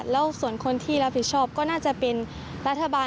แล้วส่วนคนที่รับผิดชอบก็น่าจะเป็นรัฐบาล